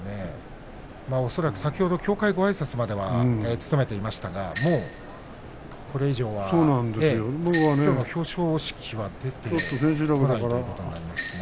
恐らく先ほど協会ごあいさつまでは務めていましたが恐らく、これ以降は表彰式は出てこないということですかね。